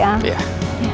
ya allah ya allah